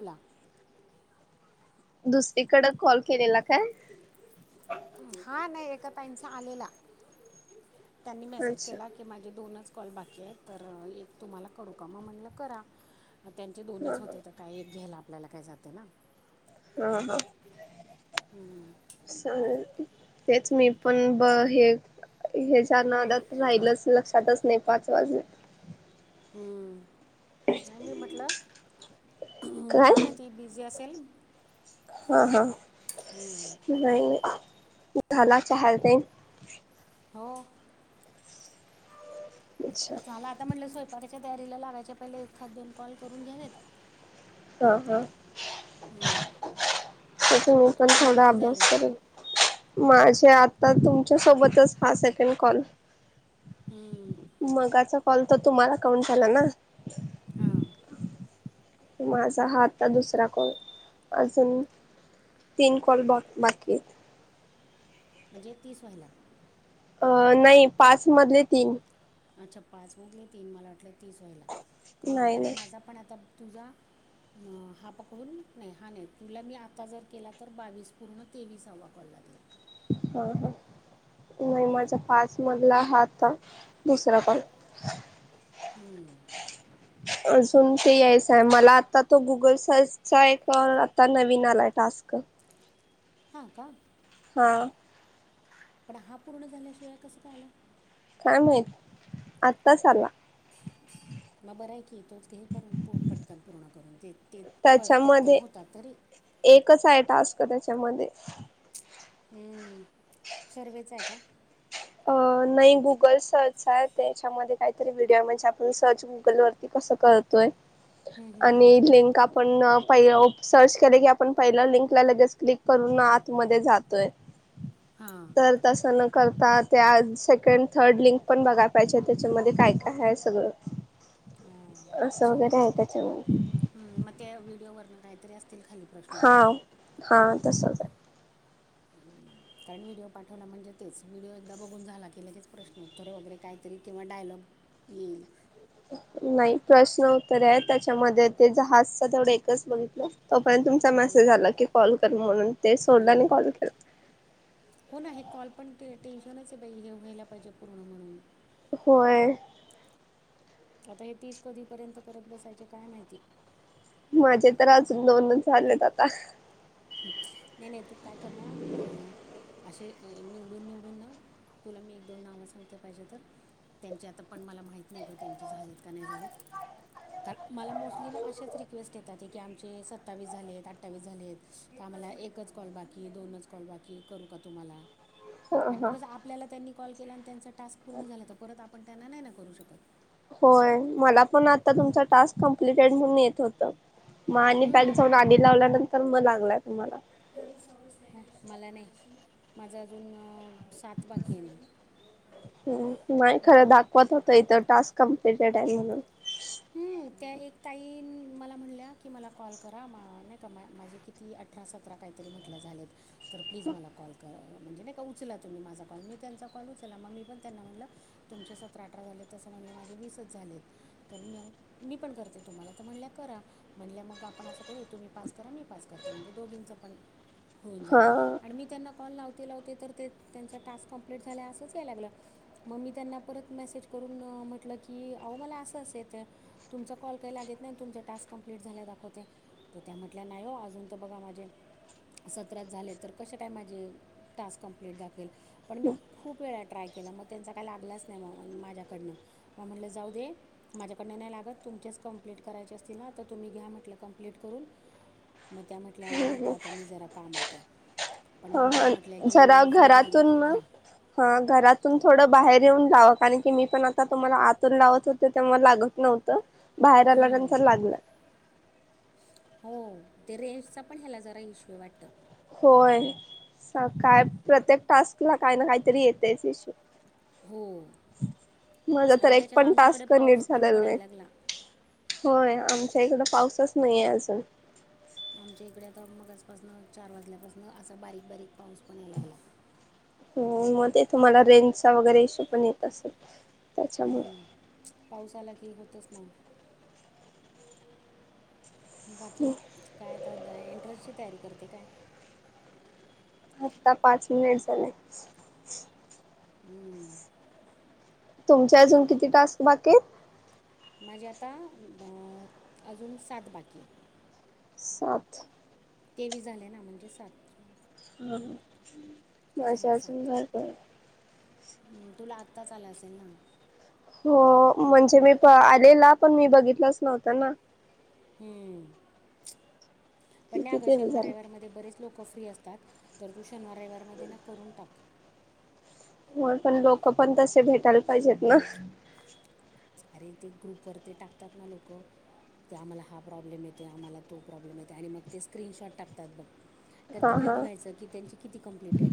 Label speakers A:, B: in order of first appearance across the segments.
A: बला.
B: दुसरीकड कॉल केलेला काय.
A: हा नाही ए तईचा आलेला त्यांनी मेसेज
B: अच्छा
A: केला. ते माझे दोनच कॉल बाकी आहेत तर एक तुम्हाला करू का मग म्हणलं करा. त्यांचे
B: हा
A: दोनच होते तर काय एक घ्यायला आपल्याला काय जाते ना.
B: हा हा.
A: हम्म.
B: सले तेच मी पण ब हे. हे जनादात राहिलच लक्षातच नाही पाच वाजे.
A: हम्म आणि मी म्हटलं
B: काय
A: तम. अ त बजी अस.
B: हा हा नाही ला चहातेई.
A: हो
B: अच्छा
A: झाला आता म्हटलं स्वयपाकाच्या तयारीला लागायच्या पहिले एखाद दोन कॉल करून घ्यावेत.
B: हा हा
A: हा
B: तथ मी पण थोडा अभ्यास करेन. माझे आता तुमच्या सोबतच हा सेकंड कॉल.
A: हम्म,
B: मगाचा कॉल तर तुम्हाला काउंट झाला ना?
A: हां
B: माझा हात दुसरा कॉल अजून तिनकॉल बो बाकीयत.
A: म्हणजे तीस व्हायला.
B: अ नाही पाच मधले तीन.
A: अच्छा पाच मधले तीन मला वाटले तीस व्हायला हां
B: नाही
A: कारण
B: नाही
A: माझा पण आता तुझा हा पकडून नाही हा नाही तुला मी आता जर केला तर बावीस पूर्ण तेवीस हवा कॉलला देईल.
B: हा हा नाही माझा पाच मधला हा आता दुसरा कॉल.
A: हम्म
B: अजून ते यायचाय मला आता तो गुगल सर्च. चा एक आता नवीन आलाय टास्क.
A: हां का.
B: हा.
A: पण हा पूर्ण झाल्याशिवाय कस काय आला?
B: काय माहित आत्ताच आला.
A: मग बरं आहे की, तोच घे करून पटकन पूर्ण करून ते ते प पटकन
B: त्याच्यामध्ये
A: होतात तरी
B: एकच आहे टास्क त्याच्यामध्ये.
A: हम्म शर्वेच आहे का?
B: अ नाही गुगल सर्च आहे त्याच्यामध्ये काहीतरी व्हिडिओ म्हणजे आपण सर्च गुगल वरती कस करतोय आणि लिंक आप पण पहि सर्च केले की, आपण पहिला लिंकला लगेच क्लिक करून आतमध्ये जातोय.
A: हां
B: तर तसं न करतात. त्या सेकंड थर्ड लिंक पण बघाय पाहिजे. त्याच्यामध्ये काय काय आहे सगळं. असं वगैरे आहे त्याच्या मध्ये.
A: हम मग त्या व्हिडिओवरन काहीतरी असतील खाली प्रश्न
B: हा
A: उत्तरं
B: हा तसच आहे.
A: [inaudible] काय व्हिडिओ पाठवला म्हणजे तेच व्हिडिओ एकदा बघून झाला की, लगेच प्रश्न उत्तर वगैरे काही तरी किंवा डायलॉग येईल.
B: नाही प्रश्न उत्तरे आहेत त्याच्यामध्ये ते जहाजच तेवढं एकच बघितलं. तोपर्यंत तुमचा मेसेज आला की कॉल कर म्हणून ते सोडल आणि कॉल केला.
A: हो ना हे कॉल पण ते टेन्शनच आहे बाई हे व्हायला पाहिजे पूर्ण म्हणून.
B: होय.
A: आता हे तीस कधीपर्यंत करत बसायचे काय माहिती?
B: माझे तर अजून दोनच झालेत आता.
A: नाही नाही तू काय कर ना. आ असे निवडून निवडून ना तुला मी एक दोन नावं सांगते पाहिजे तर. त्यांचे आता पण मला माहीती नाही ग त्यांचे झालेत का नाही झालेत. कारण मला मोस्टली ना अश्याच रिक्वेस्ट येतात की आमचे सत्तावीस झालेत, अठ्ठावीस झालेत. आम्हाला एकच कॉल बाकी दोनच कॉल बाकी करू का तुम्हाला
B: ह
A: आणि मग
B: हा.
A: कस आप आपल्याला त्यांनी कॉल केला आणि त्यांचा टास्क पूर्ण झाला तर परत आपण त्यांना नाही ना करू शकत.
B: होय मला पण आता तुमचा टास्क कमप्लिटेड म्हणून येत होतं. मग आणि बॅग
A: हम्म.
B: जाऊन आणि लावल्या नंतर मग लागलाय तुम्हाला.
A: ह मला नाही. माझ अजून सात बाकी आहे ना.
B: हम्म नाही खरं दाखवत होत इथ टास्क कॉम्प्लिटेड आहे म्हणून.
A: की त्या एक ताईन मला म्हणल्या की मला कॉल करा म नाही का मा माझे किती अठरा सतरा काहीतरी म्हटल्या झालेत. तर प्लीज मला कॉल कर म्हणजे नाही का उचला तुम्ही माझा कॉल मी त्यांचा कॉल उचल ला मग मी पण त्यांना म्हटलं तुमचे सतरा अठरा झाले तसं म्हणले माझे वीसच झालेत. तर म मी पण करते तुम्हाला तर म्हणल्या करा. म्हणल्या मग आपण असं करू तुम्ही पाच करा मी पाच करत म्हणजे दोघींचं पण होऊन जाईल
B: हा
A: आणि मी त्यांना कॉल लावते लावते तर ते त्यांचा टास्क कम्प्लीट झालाय असंच यायला लागलं. मग मी त्यांना परत मेसेज करून म्हंटलं की अहो मला असं असं येतंय तुमचा कॉल काय लागेत नाही तुमचा टा स्क कम्प्लीट झालाय दाखवतय. तर त्या म्हटल्या नाही हो अजून तर बघा माझे सतरा झालेत तर कस काय माझे टास्क कंप्लीट दाखवेल. पण मी खूप वेळा ट्राय केला मग त्यांचा काय लागलाच नाय म माझ्याकडनं म म्हणलं जाऊ दे माझ्याकडनं नाय लागत तुमचेच कंप्लीट करायचे असतील ना तर तुम्ही घ्या म्हटलं कंप्लीट करून. मग त्या म्हटल्या नको आता मी जरा कामातये पण
B: हा
A: म मला
B: हा
A: म्हट म्हटल्या की
B: जरा
A: मी फ्री झाले
B: घरातून
A: की
B: ना
A: घ्या
B: हा घरातून थोडं बाहेर येऊन जावं कारण की मी पण आता तुम्हाला आतून लावत होत ते तेव्हा लागत नव्हत बाहेर आल्यानंतर लागला.
A: हो ते रेंजचा पण ह्याला जरा ईशु ये वाटत.
B: होय सकाळ प्रत्येक टास्क ला काय ना कायतरी येतयच इश्यू.
A: हो
B: माझा तर
A: आता
B: एक
A: त्याच्यात
B: पण
A: आमच्याकडे
B: टास्क नीट
A: पाऊस पण
B: झालेला
A: पडाय
B: नाही
A: लागला.
B: होय आमच्या इकड पाऊसच नाहीये अजून.
A: आमच्या इकडे आता मगास पासन चार वाजल्यापासन असा बारीक बारीक पाऊस पण यायला लागला.
B: हो म ते तुम्हाला रेंजचा वगैरे इशू पण येत असेल त्याच्यामुळ
A: हम्म. पाऊस आला की होतच ना बाकी काय तर एंटरनस ची तयारी करते काय?
B: आत्ता पाच मिनिट झाले.
A: हम्म
B: तुमच्या अजून किती टास्क बाकियेत?
A: माझे आता अ अजून सात बाकी ये
B: सात
A: तेवी झाले ना म्हणजे सात
B: [unintelligible]
A: तो सहा
B: अजून
A: सात
B: भरपूर आहेत.
A: तुला आत्ताच आलं असेल ना
B: हो म्हणजे मी प आलेला पण मी बघितलाच नव्हत ना
A: हम्म
B: कि
A: पण ह्या
B: किती
A: दोन
B: ते झाले
A: शनिवाररयवार मध्ये बरेच लोक फ्री असतात तर तू शनिवार रविवारमध्ये ना करून टाक.
B: हो पण लोक पण तसे भेटायला पाहिजेत ना.
A: अरे ते ग्रुपवर ते टाकतात ना लोकं ते आम्हाला हा प्रॉब्लेम येतोय आम्हाला तो प्रॉब्लेम येतो आणि मग ते स्क्रीनशॉट टाकतात बघ तर
B: हा
A: तिकडे
B: हा
A: बघायच की त्यांचे किती कंप्लटेड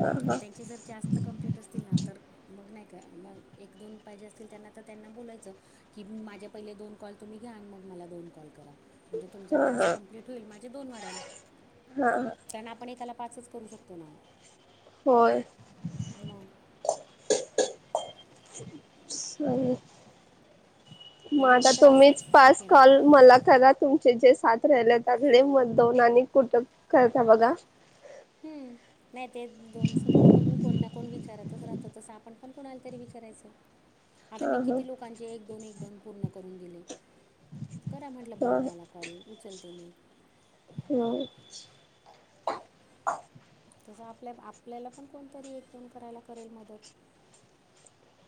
B: हा हा
A: त्यां जर जास्त कंप्लीट असतील ना तर मग नाय करां मग एक दोन पाहिजे अस त्यांना तर त्यांना बोलायचं की माझे पहिले दोन कॉल तुम्ही घ्या मग मला दोन कॉल करा. म्हणजे तुमचा टास्क कंप्लीट होईल माझे दोन वाढल.
B: हा
A: त्यांना आपण एकाला पाच करू शकतो ना.
B: होय.
A: मंग
B: [unintelligible] म
A: म्हणजे मी
B: आता
A: तर असंच
B: तुम्हीच पाच
A: ते नाही
B: कॉल मला करत तुमचे जे सात राहिले त्याघडे मग दोन आणि कुठ करता बघा
A: हम्म नाय ते दोनचं काय बघू कोण ना कोण विचारतच राहत तश आप पण कुणाला तरी विचारायच आता
B: हा
A: मी
B: हा
A: किती लोक लोकांचे एक दोन एक दोन पूर्ण करून दिले करा म्हटलं बाघा
B: हा
A: मला. कॉल उचलते मी
B: हो.
A: तसं आपल्या आपल्याला पण कोणतरी एकदोन करायला करेल मदत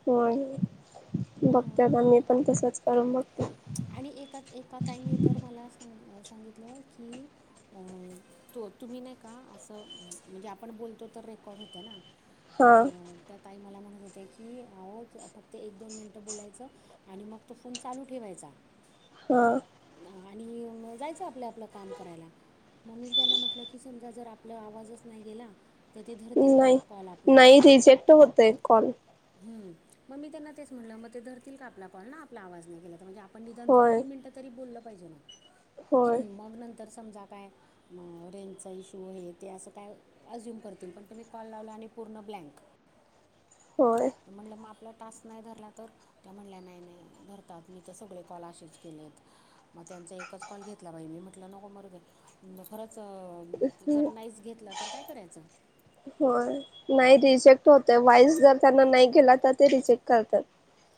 B: हो बघते
A: हां
B: आता मी पण तसंच करून बघते.
A: आणि एका एका ताईनी तर मला सांग सांगितलं की, अ तो तुम्ही नाय का असं म्हणजे आपण बोलतो तर रेकॉर्ड होतं ना
B: हा
A: तर त्या ताई मला म्हणत होत्या की अह फक्त एक दोन मिनटं बोलायचं आणि मग तो फोन चालू ठेवायचा
B: हां
A: आणि जायचं आपलं आपलं काम करायला मम्मी त्यांना म्हटलं की समजा जर आपलं आवाजच नाही गेला तर ते धरतील का
B: नाही
A: कॉल आपला
B: नाही रिजेक्ट होतय कॉल
A: हम मग मी त्यांना तेच म्हटलं मग ते धरतील का आपला कॉल ना आपला आवाज नाही केला तर म्हणजे पण निदान दोन
B: होय
A: तीन मिनिटं तरी बोललं पाहिजे
B: होय
A: ना मग नंतर समजा काय रेंजचा इश्यू आहे ते असं काय अझ्युम करतील पण तुम्ही कॉल लावला आणि पूर्ण ब्लँक
B: होय
A: म्हटलं मग आपला टास्क नाही धरला तर त्या म्हणल्या नाही नाही धरतात मी तर सगळे कॉलेच केलेत मग त्यांचा एकच कॉल घेतला बाई मी म्हटलं नको मरू दे खरंच जर नाहीच घेतला तर काय करायचं
B: होय नाही रिजेक्ट होत वाईस जर त्यांना नाही गेला तर ते रिजेक्ट करतात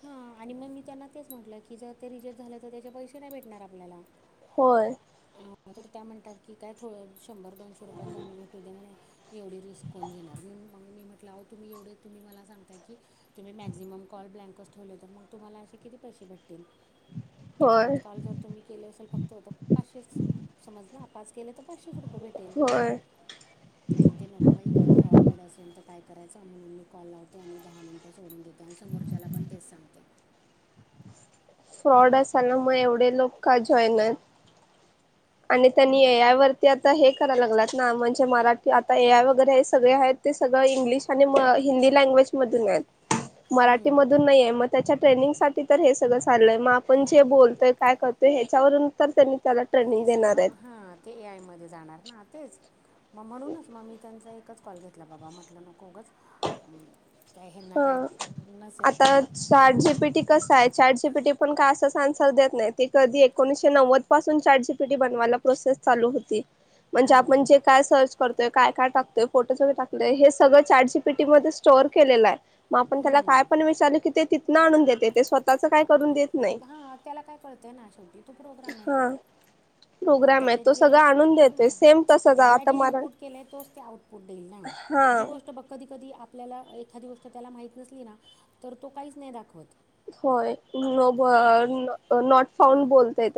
A: हा आणि मग मी त्यांना तेच म्हटलं की जर ते रिजेक्ट झाले तर त्याच्या पैसे नाही भेटणार आपल्याला
B: होय
A: ह तर त्या म्हणतात की काय थोडं शंभर दोनशे रुपये कमी भेटू दे म्हणे एवढी रिस्क कोण घेणार मी मग मी म्हटलं तुम्ही एवढे तुम्ही मला सांगताय की तुम्हीॅक्झिमॉ ब्ँक ेवले तर मग तुम्हाला असे किती पैसे भेटतील चार
B: होय
A: पाच कॉल ् केले असेल फक्त हो पाचशे समज ना पाच के तर पाचशे रुप क भेटल
B: होय
A: तर म्हणते नको बाई काय फ्रॉड बिड असेल तर काय करायचं म्हणून मी कॉल लावते आणि दहा मिनिट सोडून घेते आणि समोरच्याला पण तेच सांगते
B: फ्रॉड असायला मग एवढे लोक का जयन आणि त्यांनी एयवर ते आता हे करायला लागलेत ना म्हणजे मराठी आता ए आय वगैरे हे सगळे आहेत ते सगळं इंग्लिश आणि हिंदी लँग्वेज मधून आहेत मराठीमधून नाही आहे मग त्याच्या ट्रेनिंगसाठी तर हे सगळं चाल आहे मग आपण जे बोलतोय काय करतोय ह्याच्यावरून तर त्यांनी त्याला ट्रेन
A: ते सगळं हा ते ए आय मध्ये जाणार ना तेच मग म्हणूनच मग मी त्यांचा एकच कॉल घेतला बघा म्हटलं नकोगंच काय हेना काय नसेल पडलं
B: चार्ट जीपीटी कसं आहे चार्ट जीपीटी पण काय असंच आन्सर देत नाही ते कधी एकोणीसशे नव्वद म्हण काय सर्च करतोय काय काय टकतोय फोटोजगरे टाकलंय हे सगळं चार जी पी टीमध्ये स्टोअर केलेलं आहे मग आपण त्याला काय पण विचारल की ते तिथनं आणून देते ते स्वतःच काय करून देत नाही
A: हा त्याला काय कळतंय ना शेवटी तो प्रोग्राम आहे
B: हा. प्रोग्राम आहे
A: त्याच्यात
B: तो सगळं
A: जे
B: आणून देतोय सेम तसच
A: त्याला
B: आता
A: जे
B: मरा
A: इनपुट केलंय तोच ते आउटपुट देईल ना
B: हा.
A: जी गोष्ट बघ कधी कधी आपल्याला एखादी गोष्ट त्याला माहित नसली ना तर तो काहीच नाही दाखवत
B: होय न नॉट फाउंड बोलतयेत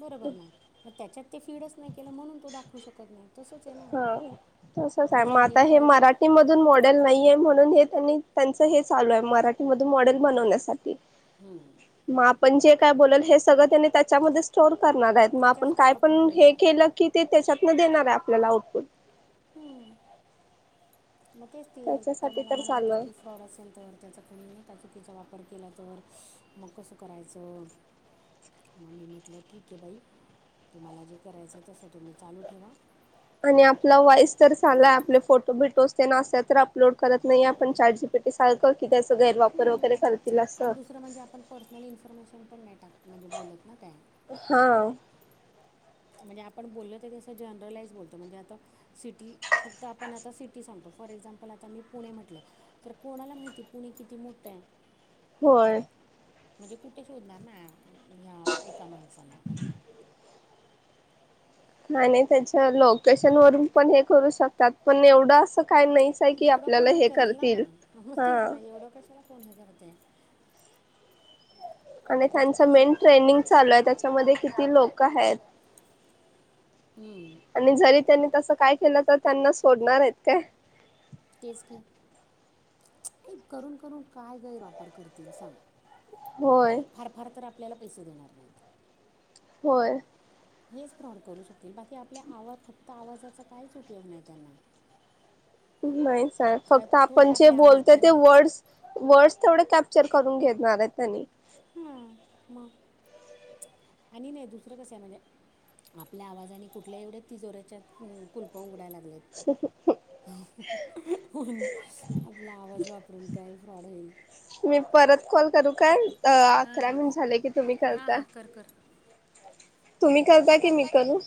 A: बरोबर ना म त्याच्यात ते फीडच नाही म्हणून तो दाखवू शकत नाही त
B: हा तसच आहे मग आता हे मराठी
A: कॉल
B: मराठी मधून मॉडेल नाहीये म्हणून हे त्यांनी त्यांच हे चालू आहे मराठी मधून मॉडेल बनवण्यासाठी
A: हा
B: मग आपण जे काय बोल हे सगळं त्यांनी त्याच्यामध्ये स्टोअर करणार आहेत मग
A: त्याच्या
B: आपण काय
A: स्टोअर क
B: पण हे
A: होईल
B: केलं की ते त्याच्यातन देणार आहे आपल्याला आउटपुट
A: हम् मग तेच ते त्या
B: त्याच्यासाठी
A: मला
B: तर
A: म्हणत होतं
B: चाललंय
A: की फ्रॉड असेल तर त्याचा त्यांणी काचुकीचा वापर केला तर मग कसं करायचं मग मी म्हटलं ठीक आहे बाई तुम्हाला जे करायचं तसं तुम्ही चालू ठेवा
B: आणि आपला वॉईस तर चालाय आपले फोटो भिटोस ते ना असल्या तर अपलोड करत नाहीे आपण चारजीबी सांगत की त्यां गैरवापर वगरेां
A: आणि दुसरं म्हणजे आपण पर्सनल इन्फॉर्मेशन पण नाही टाक म्हणजे बोलत ना त्या
B: हा
A: म्हणजे आपण बोललो तर असं जनरलाइज बोलतो म्हणजे आता सिटी फक्त आपण आता सिटी सांगतो फॉर एक्झाम्पल आता मी पुणे म्हटलं तर कोणाला माहिती पुणे किती मोठं आहे
B: होय
A: म्हणजे कुठे शोधणार ना ह्या एका माणसाला
B: ह आणि त्याच्या लोकेशन वरून पण हे करू शकतात पण एवढं अस
A: एवढं कोण हे करेल ना म
B: हा
A: तेच ना एवढं कशाला कोण हे करते
B: आणि त्यांच
A: त्याच्यापेक्षा
B: मेन ट्रेनिंग चालू आहे त्याच्यामध्ये किती लोक आहेत
A: हम्म
B: आणि जरी त्यांनी तसं काय केलं तर त्यांना सोडणार आहेत काय
A: तेज की हे करून करून काय गैरवापर करतील सांग
B: होय
A: फार फार तर आपल्याला पैसे देणार नाहीत
B: होय
A: हेच फ्रॉड करू शकतील बाकी आपल्या आवाज फक्त आवाजाचा काहीच उपयोग नाही त्यांना
B: नाही सग
A: काय
B: फक्त
A: थोडी
B: आपण जे
A: आपल्या
B: बोलतोय ते
A: आवाजाने
B: वर्ड्स वर्ड्स तेवढे कॅप्चर करून घेतणार आहेत त्यांनी
A: हा मग आणि नाही दुसरं कसं आहे म्हणजे आपल्या आवाजाने कुठल्या एवढ्याच तिजोऱ्याच्या कुलप उघडायला लागल्यात
B: ह
A: प आपला आवाज वापरून काय फ्रॉड होईल
B: मी परत कॉल करू काय
A: हां
B: अकरा
A: हां
B: मिन झाले की तुम्ही
A: हां
B: करता
A: हां कर कर
B: तुम्ही करता की मी करू